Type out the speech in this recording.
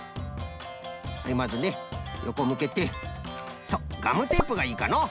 でまずねよこむけてそうガムテープがいいかのう。